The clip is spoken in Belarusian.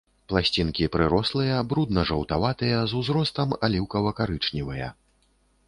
Пласцінкі прырослыя, брудна-жаўтаватыя, з узростам аліўкава-карычневыя.